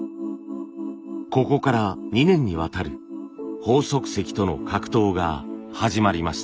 ここから２年にわたる鳳足石との格闘が始まりました。